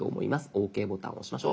「ＯＫ」ボタンを押しましょう。